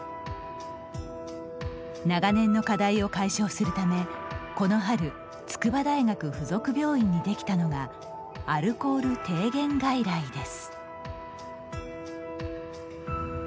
長年の課題を解消するためこの春筑波大学附属病院にできたのがアルコール低減外来です。